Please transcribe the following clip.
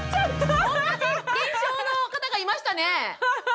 おんなじ現象の方がいましたね。